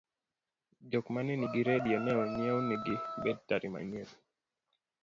jok manenigi redio ne onyienegi betari manyien